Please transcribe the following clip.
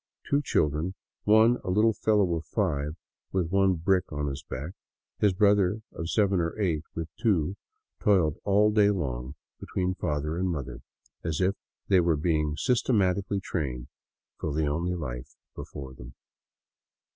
Two children, one a little fellow of five with one brick on his back, his brother of seven or eight with two, toiled all day long between father and mother, as if they were being systematically trained for the only life before them.